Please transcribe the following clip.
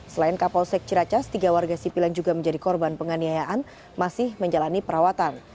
selain kapolsek ciracas tiga warga sipil yang juga menjadi korban penganiayaan masih menjalani perawatan